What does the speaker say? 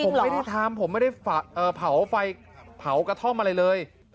ผมไม่ได้ทำผมไม่ได้เผาไฟเผากระท่อมอะไรเลย